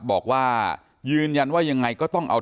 บอกว่ายืนยันว่ายังไง